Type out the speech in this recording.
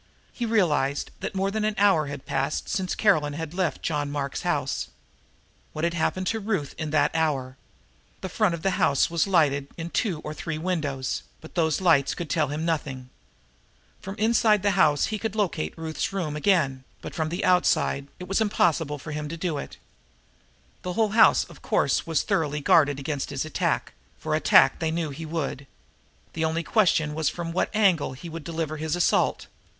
He realized that more than an hour had passed since Caroline had left John Mark's house. What had happened to Ruth in that hour? The front of the house was lighted in two or three windows, but those lights could tell him nothing. From the inside of the house he could locate Ruth's room again, but from the outside it was impossible for him to do it. The whole house, of course, was thoroughly guarded against his attack, for attack they knew he would. The only question was from what angle he would deliver his assault.